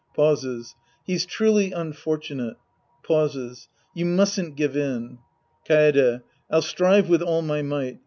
(Pauses.) He's truly unfortunate. {Pauses.) You mustn't give in. Kaede. I'll strive with all my might.